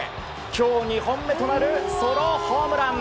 今日２本目となるソロホームラン。